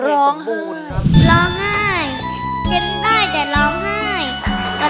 หุ่นร้องไห้ฉันได้แต่ร้องไห้